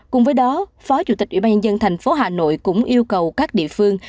cùng với đó phó chủ tịch ủy ban nhân dân thành phố hà nội cũng yêu cầu các địa phương